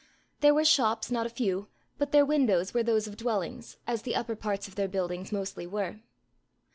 There were shops not a few, but their windows were those of dwellings, as the upper parts of their buildings mostly were.